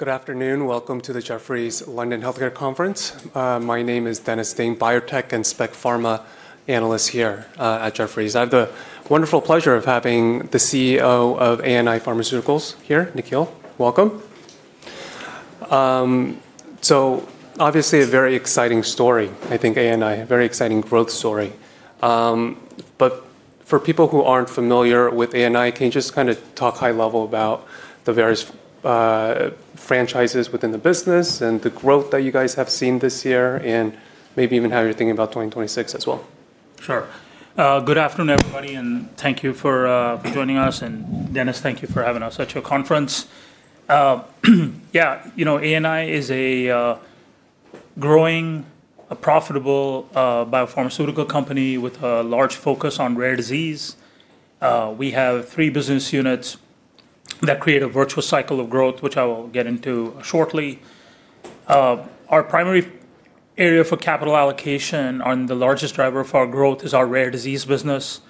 Good afternoon. Welcome to the Jefferies London Healthcare Conference. My name is Dennis Ding, Biotech and Spec pharma analyst here at Jefferies. I have the wonderful pleasure of having the CEO of ANI Pharmaceuticals here, Nikhil. Welcome. Obviously, a very exciting story, I think, ANI, a very exciting growth story. For people who aren't familiar with ANI, can you just kind of talk high level about the various franchises within the business and the growth that you guys have seen this year, and maybe even how you're thinking about 2026 as well? Sure. Good afternoon, everybody, and thank you for joining us. Dennis, thank you for having us at your conference. Yeah, you know, ANI is a growing, profitable biopharmaceutical company with a large focus on rare disease. We have three business units that create a virtuous cycle of growth, which I will get into shortly. Our primary area for capital allocation and the largest driver of our growth is our rare disease business,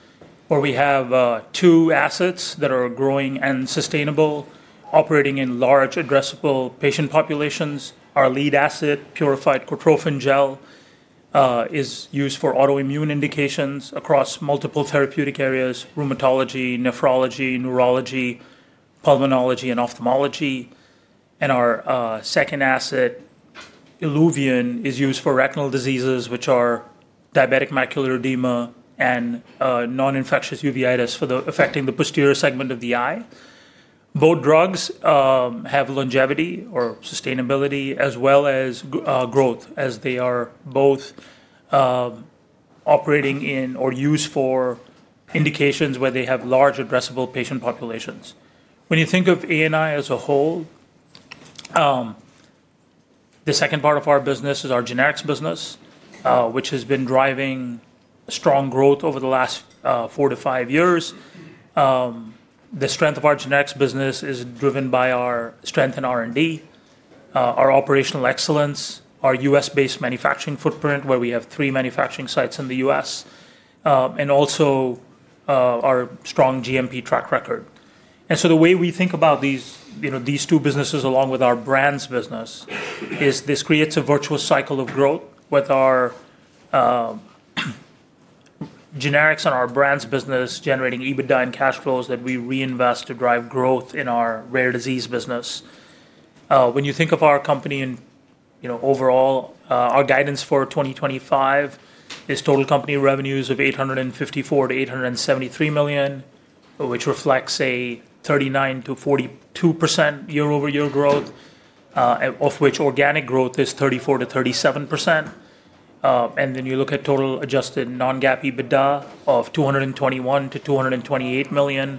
where we have two assets that are growing and sustainable, operating in large, addressable patient populations. Our lead asset, Purified Cortrophin Gel, is used for autoimmune indications across multiple therapeutic areas: rheumatology, nephrology, neurology, pulmonology, and ophthalmology. Our second asset, ILUVIEN, is used for retinal diseases, which are diabetic macular edema and non-infectious uveitis affecting the posterior segment of the eye. Both drugs have longevity or sustainability, as well as growth, as they are both operating in or used for indications where they have large, addressable patient populations. When you think of ANI as a whole, the second part of our business is our generics business, which has been driving strong growth over the last four to five years. The strength of our generics business is driven by our strength in R&D, our operational excellence, our U.S.-based manufacturing footprint, where we have three manufacturing sites in the U.S., and also our strong GMP track record. The way we think about these two businesses, along with our brands business, is this creates a virtuous cycle of growth with our Generics and our Brands business generating EBITDA and cash flows that we reinvest to drive growth in our rare disease business. When you think of our company overall, our guidance for 2025 is total company revenues of $854 million-$873 million, which reflects a 39%-42% year-over-year growth, of which organic growth is 34%-37%. Then you look at total adjusted non-GAAP EBITDA of $221 million-$228 million,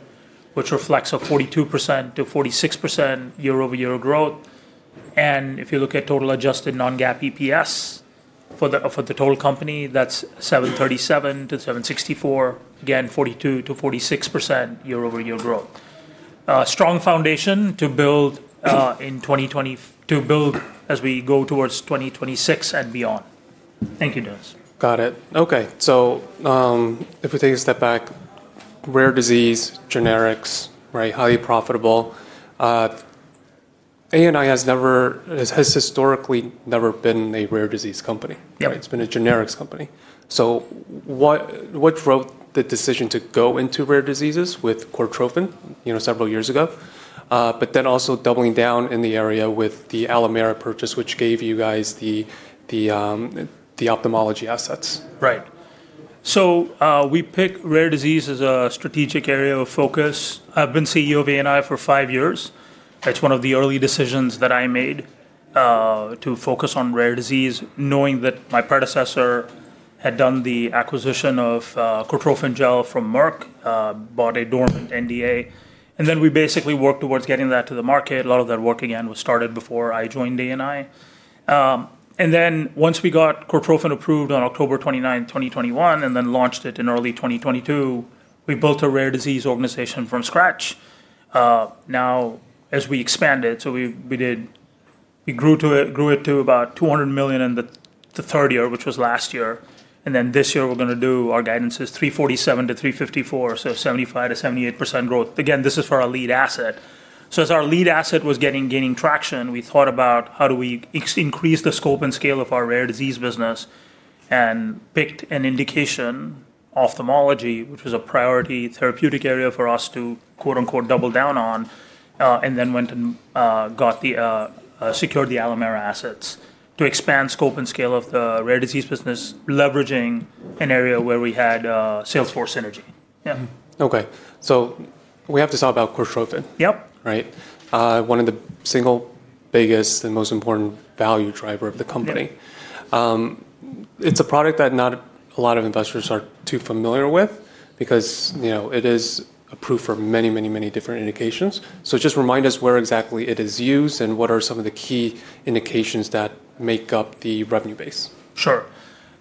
which reflects a 42%-46% year-over-year growth. If you look at total adjusted non-GAAP EPS for the total company, that's $7.37-$7.64, again, 42%-46% year-over-year growth. Strong foundation to build in 2020 to build as we go towards 2026 and beyond. Thank you, Dennis. Got it. Okay. If we take a step back, rare disease, generics, right, highly profitable. ANI has historically never been a rare disease company. It has been a generics company. What drove the decision to go into rare diseases with Cortrophin several years ago, but then also doubling down in the area with the Alimera purchase, which gave you guys the ophthalmology assets? Right. We picked rare disease as a strategic area of focus. I've been CEO of ANI for five years. That's one of the early decisions that I made to focus on rare disease, knowing that my predecessor had done the acquisition of Cortrophin Gel from Merck, bought a dormant NDA, and then we basically worked towards getting that to the market. A lot of that work, again, was started before I joined ANI. Once we got Cortrophin approved on October 29, 2021, and then launched it in early 2022, we built a rare disease organization from scratch. Now, as we expanded, we grew it to about $200 million in the third year, which was last year. This year, our guidance is $347 million-$354 million, so 75%-78% growth. Again, this is for our lead asset. As our lead asset was gaining traction, we thought about how do we increase the scope and scale of our rare disease business and picked an indication, ophthalmology, which was a priority therapeutic area for us to "double down on," and then went and secured the Alimera assets to expand scope and scale of the rare disease business, leveraging an area where we had Salesforce synergy. Yeah. Okay. So we have to talk about Cortrophin. Yep. Right? One of the single biggest and most important value drivers of the company. It's a product that not a lot of investors are too familiar with because it is approved for many, many, many different indications. Just remind us where exactly it is used and what are some of the key indications that make up the revenue base. Sure.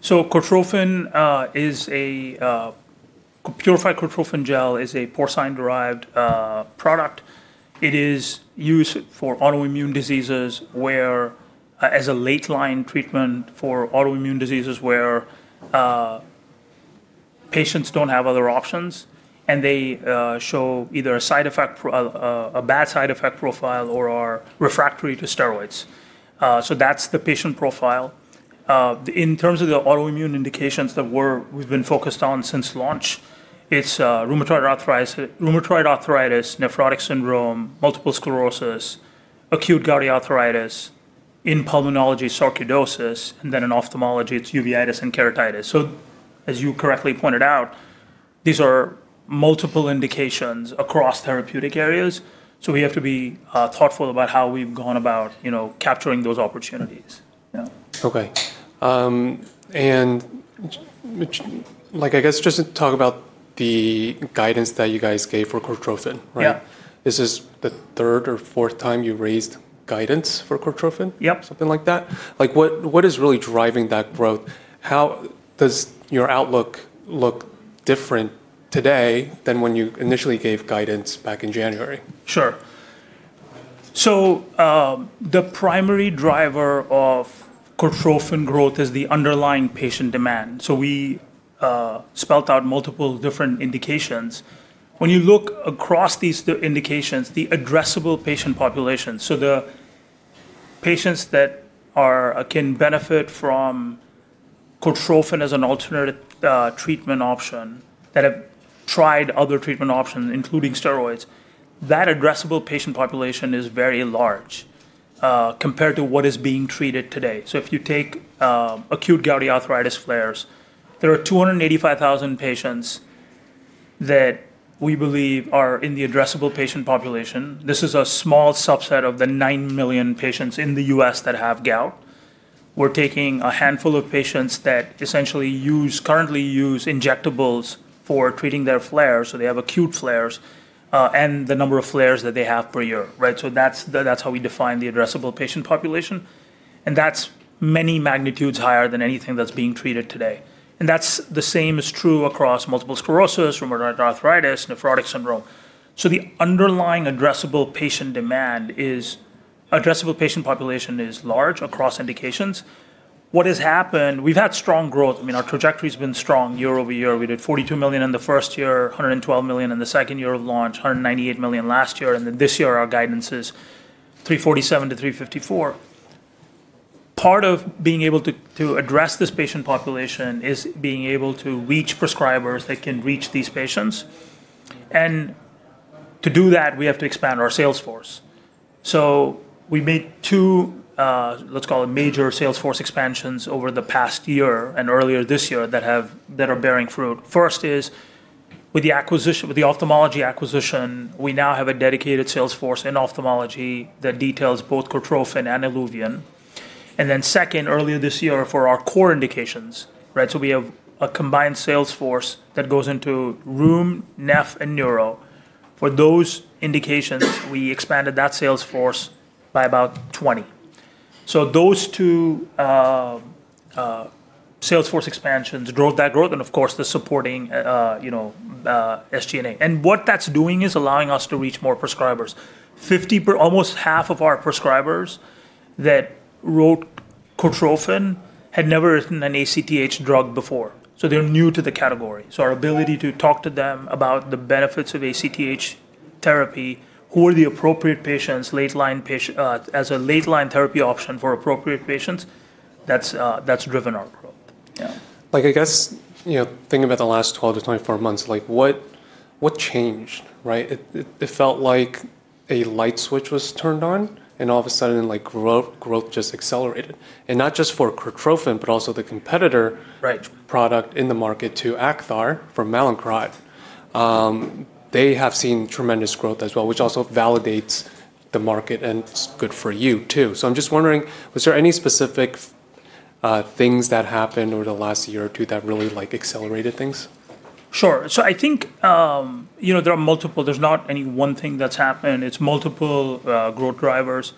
So Purified Cortrophin Gel is a porcine-derived product. It is used for autoimmune diseases where, as a late-line treatment for autoimmune diseases, patients do not have other options and they show either a bad side effect profile or are refractory to steroids. That is the patient profile. In terms of the autoimmune indications that we have been focused on since launch, it is rheumatoid arthritis, nephrotic syndrome, multiple sclerosis, acute gouty arthritis, in pulmonology, sarcoidosis, and then in ophthalmology, it is uveitis and keratitis. As you correctly pointed out, these are multiple indications across therapeutic areas. We have to be thoughtful about how we have gone about capturing those opportunities. Okay. And I guess just to talk about the guidance that you guys gave for Cortrophin, right? Yeah. Is this the third or fourth time you raised guidance for Cortrophin? Yep. Something like that? What is really driving that growth? How does your outlook look different today than when you initially gave guidance back in January? Sure. The primary driver of Cortrophin growth is the underlying patient demand. We spelled out multiple different indications. When you look across these indications, the addressable patient population, so the patients that can benefit from Cortrophin as an alternative treatment option that have tried other treatment options, including steroids, that addressable patient population is very large compared to what is being treated today. If you take acute gouty arthritis flares, there are 285,000 patients that we believe are in the addressable patient population. This is a small subset of the 9 million patients in the U.S. that have gout. We are taking a handful of patients that essentially currently use injectables for treating their flares. They have acute flares and the number of flares that they have per year, right? That is how we define the addressable patient population. That's many magnitudes higher than anything that's being treated today. That's the same is true across multiple sclerosis, rheumatoid arthritis, nephrotic syndrome. The underlying addressable patient demand is, addressable patient population is, large across indications. What has happened? We've had strong growth. I mean, our trajectory has been strong year over year. We did $42 million in the first year, $112 million in the second year of launch, $198 million last year. This year, our guidance is $347 million-$354 million. Part of being able to address this patient population is being able to reach prescribers that can reach these patients. To do that, we have to expand our Salesforce. We made two, let's call it, major Salesforce expansions over the past year and earlier this year that are bearing fruit. First is with the ophthalmology acquisition, we now have a dedicated Salesforce in ophthalmology that details both Cortrophin and ILUVIEN. Then second, earlier this year for our core indications, right? We have a combined Salesforce that goes into rheum, neph, and neuro. For those indications, we expanded that Salesforce by about 20. Those two Salesforce expansions drove that growth and, of course, the supporting SG&A. What that's doing is allowing us to reach more prescribers. Almost half of our prescribers that wrote Cortrophin had never written an ACTH drug before. They're new to the category. Our ability to talk to them about the benefits of ACTH therapy, who are the appropriate patients as a late-line therapy option for appropriate patients, that's driven our growth. Yeah. I guess thinking about the last 12 to 24 months, what changed, right? It felt like a light switch was turned on, and all of a sudden, growth just accelerated. And not just for Cortrophin, but also the competitor product in the market to Acthar for Mallinckrodt. They have seen tremendous growth as well, which also validates the market and is good for you too. I am just wondering, was there any specific things that happened over the last year or two that really accelerated things? Sure. I think there are multiple. There's not any one thing that's happened. It's multiple growth drivers.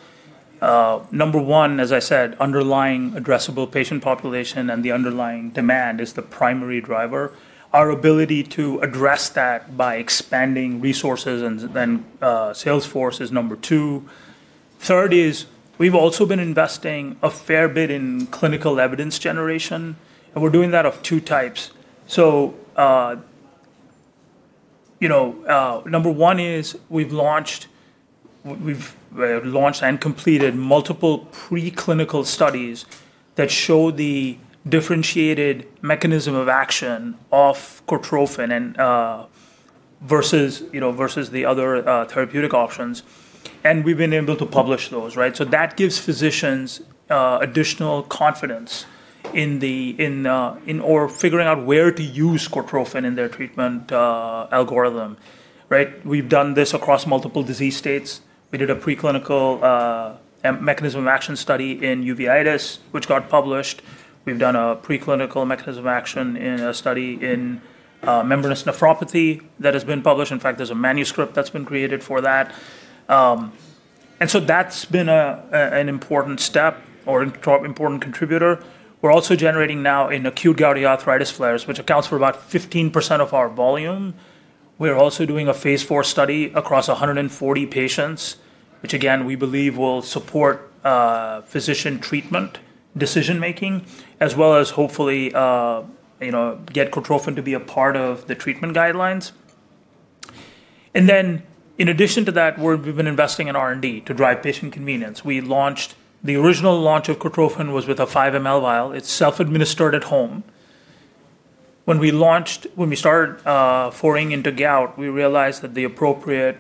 Number one, as I said, underlying addressable patient population and the underlying demand is the primary driver. Our ability to address that by expanding resources and then Salesforce is number two. Third is we've also been investing a fair bit in clinical evidence generation. We're doing that of two types. Number one is we've launched and completed multiple preclinical studies that show the differentiated mechanism of action of Cortrophin versus the other therapeutic options. We've been able to publish those, right? That gives physicians additional confidence in or figuring out where to use Cortrophin in their treatment algorithm, right? We've done this across multiple disease states. We did a preclinical mechanism of action study in uveitis, which got published. We've done a preclinical mechanism of action in a study in membranous nephropathy that has been published. In fact, there's a manuscript that's been created for that. That has been an important step or important contributor. We're also generating now in acute gouty arthritis flares, which accounts for about 15% of our volume. We're also doing a phase IV study across 140 patients, which, again, we believe will support physician treatment decision-making, as well as hopefully get Cortrophin to be a part of the treatment guidelines. In addition to that, we've been investing in R&D to drive patient convenience. The original launch of Cortrophin was with a 5 ml vial. It's self-administered at home. When we started foraying into gout, we realized that the appropriate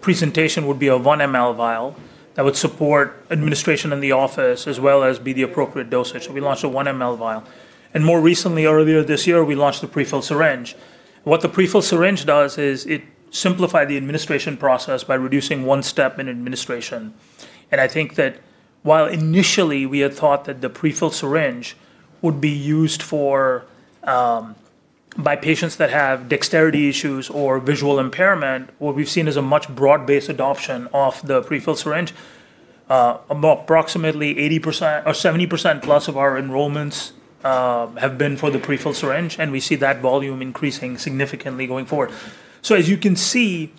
presentation would be a 1 ml vial that would support administration in the office as well as be the appropriate dosage. We launched a 1 ml vial. More recently, earlier this year, we launched the prefill syringe. What the prefill syringe does is it simplifies the administration process by reducing one step in administration. I think that while initially we had thought that the prefill syringe would be used by patients that have dexterity issues or visual impairment, what we've seen is a much broad-based adoption of the prefill syringe. Approximately 70%+ of our enrollments have been for the prefill syringe, and we see that volume increasing significantly going forward. As you can see,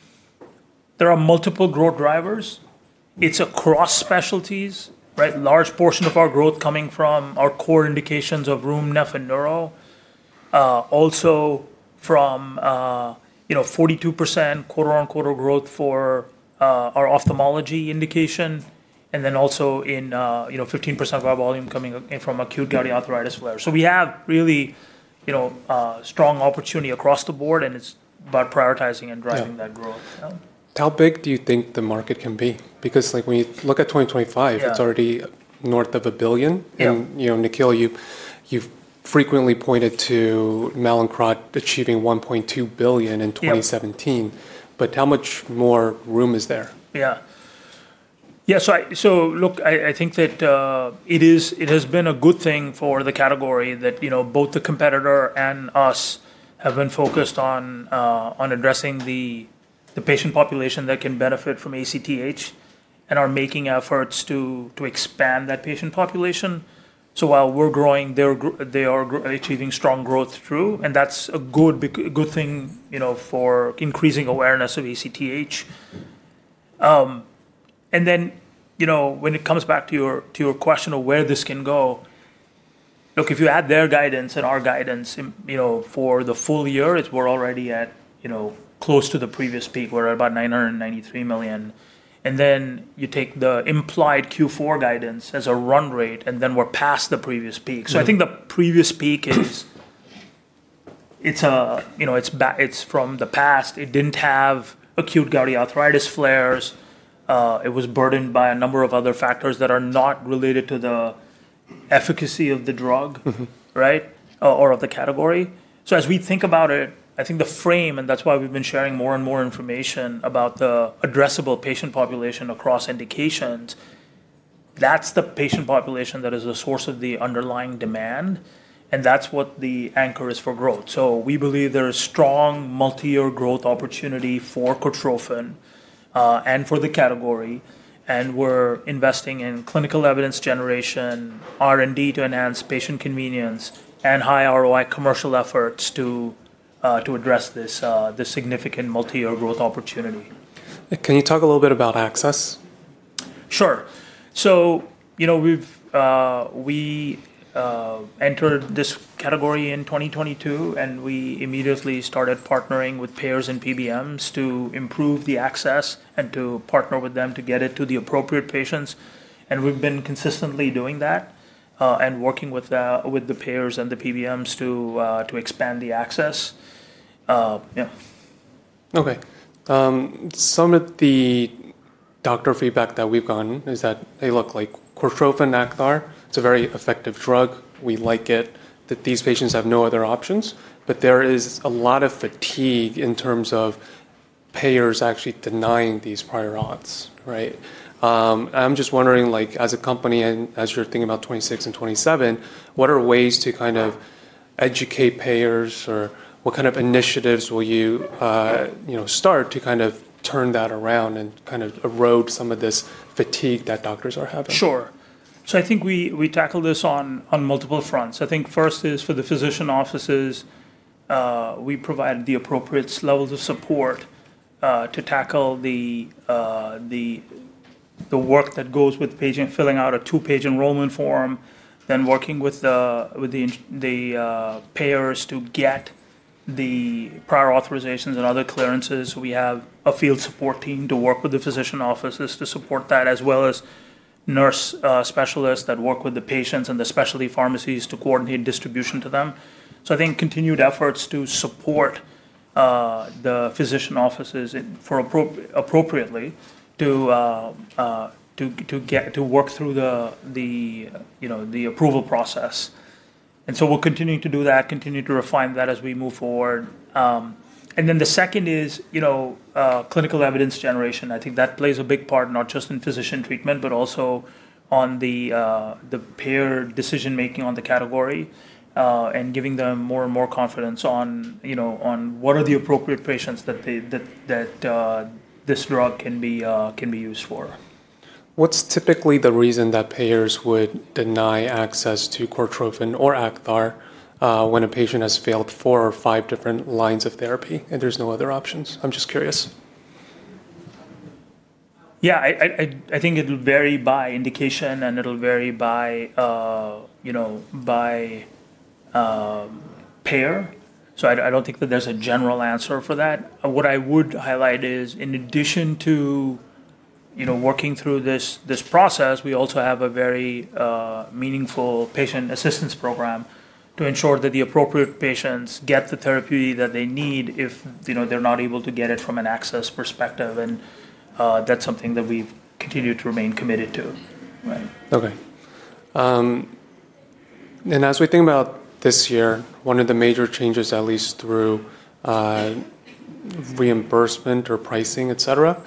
there are multiple growth drivers. It's across specialties, right? A large portion of our growth coming from our core indications of rheum, neph, and neuro. Also from 42% quarter-on-quarter growth for our ophthalmology indication, and then also in 15% of our volume coming from acute gouty arthritis flare. We have really strong opportunity across the board, and it's about prioritizing and driving that growth. How big do you think the market can be? Because when you look at 2025, it's already north of $1 billion. Nikhil, you've frequently pointed to Mallinckrodt achieving $1.2 billion in 2017. How much more room is there? Yeah. Yeah. So look, I think that it has been a good thing for the category that both the competitor and us have been focused on addressing the patient population that can benefit from ACTH and are making efforts to expand that patient population. While we're growing, they are achieving strong growth through, and that's a good thing for increasing awareness of ACTH. When it comes back to your question of where this can go, look, if you add their guidance and our guidance for the full year, we're already close to the previous peak. We're at about $993 million. You take the implied Q4 guidance as a run rate, and then we're past the previous peak. I think the previous peak is from the past. It didn't have acute gouty arthritis flares. It was burdened by a number of other factors that are not related to the efficacy of the drug, right, or of the category. As we think about it, I think the frame, and that's why we've been sharing more and more information about the addressable patient population across indications, that's the patient population that is the source of the underlying demand, and that's what the anchor is for growth. We believe there is strong multi-year growth opportunity for Cortrophin and for the category. We're investing in clinical evidence generation, R&D to enhance patient convenience, and high ROI commercial efforts to address this significant multi-year growth opportunity. Can you talk a little bit about access? Sure. We entered this category in 2022, and we immediately started partnering with payers and PBMs to improve the access and to partner with them to get it to the appropriate patients. We've been consistently doing that and working with the payers and the PBMs to expand the access. Yeah. Okay. Some of the doctor feedback that we've gotten is that they look like Cortrophin, Acthar. It's a very effective drug. We like it that these patients have no other options. There is a lot of fatigue in terms of payers actually denying these prior auths, right? I'm just wondering, as a company and as you're thinking about 2026 and 2027, what are ways to kind of educate payers or what kind of initiatives will you start to kind of turn that around and kind of erode some of this fatigue that doctors are having? Sure. I think we tackle this on multiple fronts. I think first is for the physician offices, we provide the appropriate levels of support to tackle the work that goes with the patient filling out a two-page enrollment form, then working with the payers to get the prior authorizations and other clearances. We have a field support team to work with the physician offices to support that, as well as nurse specialists that work with the patients and the specialty pharmacies to coordinate distribution to them. I think continued efforts to support the physician offices appropriately to work through the approval process. We are continuing to do that, continue to refine that as we move forward. The second is clinical evidence generation. I think that plays a big part, not just in physician treatment, but also on the payer decision-making on the category and giving them more and more confidence on what are the appropriate patients that this drug can be used for. What's typically the reason that payers would deny access to Cortrophin or Acthar when a patient has failed four or five different lines of therapy and there's no other options? I'm just curious. Yeah. I think it'll vary by indication, and it'll vary by payer. I don't think that there's a general answer for that. What I would highlight is, in addition to working through this process, we also have a very meaningful Patient Assistance Program to ensure that the appropriate patients get the therapy that they need if they're not able to get it from an access perspective. That's something that we've continued to remain committed to, right? Okay. As we think about this year, one of the major changes, at least through reimbursement or pricing, etc.,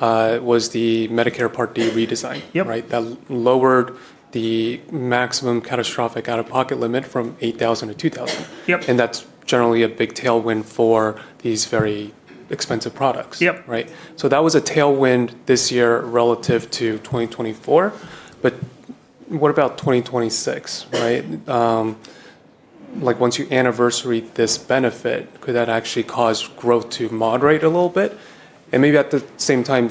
was the Medicare Part D redesign, right, that lowered the maximum catastrophic out-of-pocket limit from $8,000 to $2,000. That's generally a big tailwind for these very expensive products, right? That was a tailwind this year relative to 2024. What about 2026, right? Once you anniversary this benefit, could that actually cause growth to moderate a little bit? Maybe at the same time,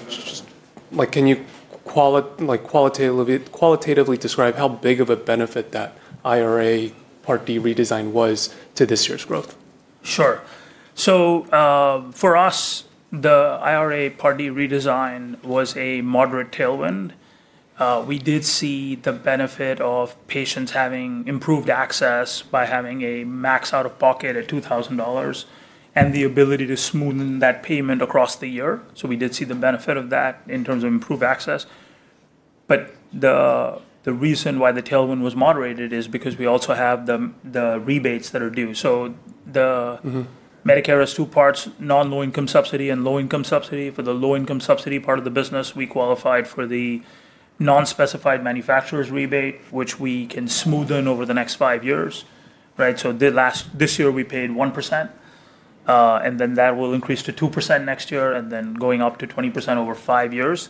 can you qualitatively describe how big of a benefit that IRA Part D redesign was to this year's growth? Sure. For us, the IRA Part D redesign was a moderate tailwind. We did see the benefit of patients having improved access by having a max out-of-pocket at $2,000 and the ability to smoothen that payment across the year. We did see the benefit of that in terms of improved access. The reason why the tailwind was moderated is because we also have the rebates that are due. Medicare has two parts: non-low-income subsidy and low-income subsidy. For the low-income subsidy part of the business, we qualified for the non-specified manufacturers rebate, which we can smoothen over the next five years, right? This year, we paid 1%, and that will increase to 2% next year, and then going up to 20% over five years.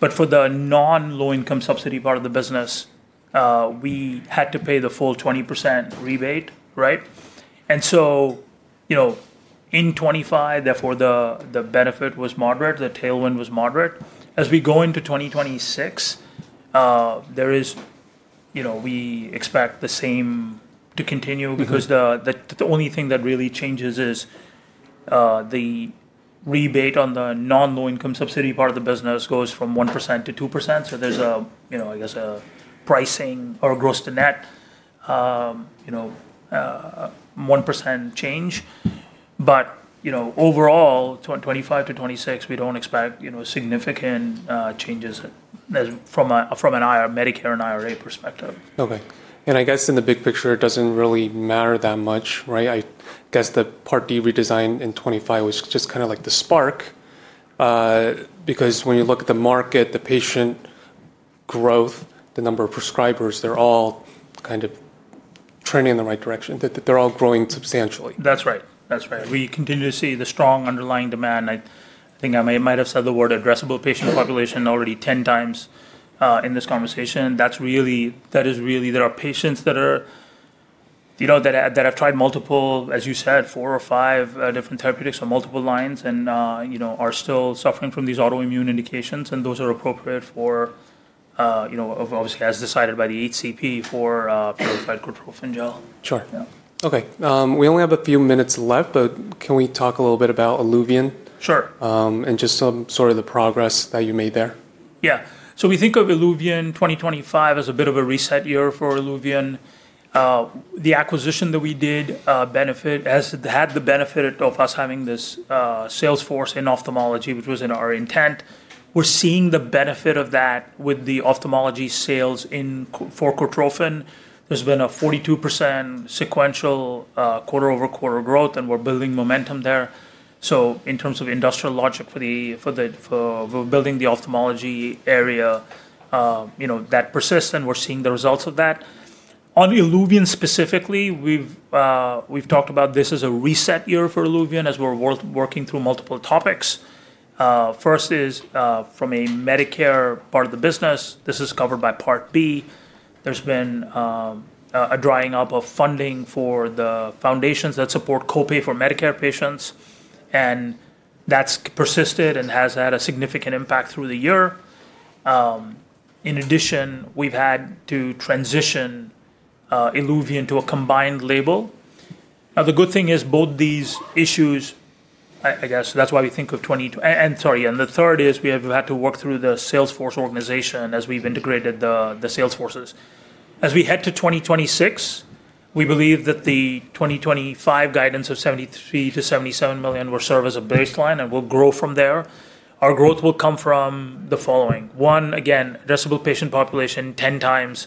For the non-low-income subsidy part of the business, we had to pay the full 20% rebate, right? In 2025, therefore, the benefit was moderate. The tailwind was moderate. As we go into 2026, we expect the same to continue because the only thing that really changes is the rebate on the non-low-income subsidy part of the business goes from 1% to 2%. There is, I guess, a pricing or gross-to-net 1% change. Overall, from 2025 to 2026, we do not expect significant changes from a Medicare and IRA perspective. Okay. I guess in the big picture, it doesn't really matter that much, right? I guess the Part D redesign in 2025 was just kind of like the spark because when you look at the market, the patient growth, the number of prescribers, they're all kind of trending in the right direction. They're all growing substantially. That's right. That's right. We continue to see the strong underlying demand. I think I might have said the word addressable patient population already 10 times in this conversation. That is really there are patients that have tried multiple, as you said, four or five different therapeutics on multiple lines and are still suffering from these autoimmune indications. Those are appropriate for, obviously, as decided by the HCP, for Purified Cortrophin Gel. Sure. Okay. We only have a few minutes left, but can we talk a little bit about ILUVIEN and just sort of the progress that you made there? Yeah. We think of ILUVIEN 2025 as a bit of a reset year for ILUVIEN. The acquisition that we did has had the benefit of us having this sales force in ophthalmology, which was our intent. We're seeing the benefit of that with the ophthalmology sales for Cortrophin. There's been a 42% sequential quarter-over-quarter growth, and we're building momentum there. In terms of industrial logic for building the ophthalmology area, that persists, and we're seeing the results of that. On ILUVIEN specifically, we've talked about this as a reset year for ILUVIEN as we're working through multiple topics. First is from a Medicare part of the business. This is covered by Part B. There's been a drying up of funding for the foundations that support copay for Medicare patients, and that's persisted and has had a significant impact through the year. In addition, we've had to transition ILUVIEN to a combined label. Now, the good thing is both these issues, I guess that's why we think of 20 and sorry. And the third is we have had to work through the sales force organization as we've integrated the sales forces. As we head to 2026, we believe that the 2025 guidance of $73 million-$77 million will serve as a baseline and will grow from there. Our growth will come from the following. One, again, addressable patient population 10 times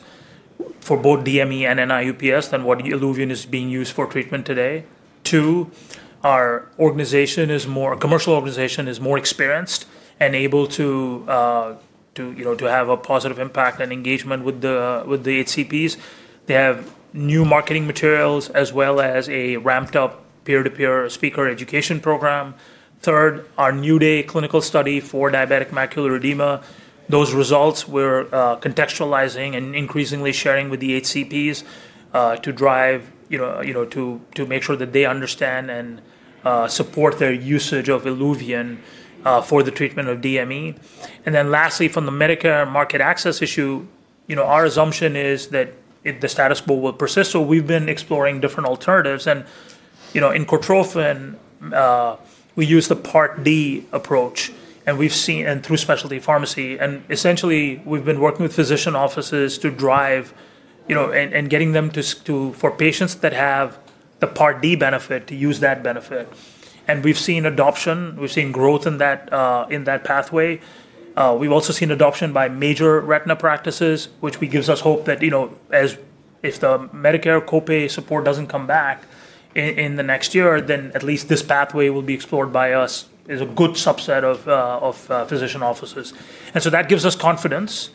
for both DME and [NIU-PS] than what ILUVIEN is being used for treatment today. Two, our organization is more a commercial organization is more experienced and able to have a positive impact and engagement with the HCPs. They have new marketing materials as well as a ramped-up peer-to-peer speaker education program. Third, our new day clinical study for diabetic macular edema. Those results we're contextualizing and increasingly sharing with the HCPs to drive to make sure that they understand and support their usage of ILUVIEN for the treatment of DME. Lastly, from the Medicare market access issue, our assumption is that the status quo will persist. We have been exploring different alternatives. In Cortrophin, we use the Part D approach and through specialty pharmacy. Essentially, we have been working with physician offices to drive and getting them to, for patients that have the Part D benefit, to use that benefit. We have seen adoption. We have seen growth in that pathway. We have also seen adoption by major retina practices, which gives us hope that if the Medicare copay support does not come back in the next year, then at least this pathway will be explored by us as a good subset of physician offices. That gives us confidence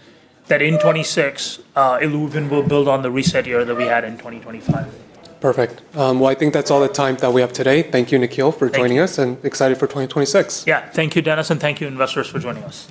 that in 2026, ILUVIEN will build on the reset year that we had in 2025. Perfect. I think that's all the time that we have today. Thank you, Nikhil, for joining us and excited for 2026. Yeah. Thank you, Dennis, and thank you, investors, for joining us.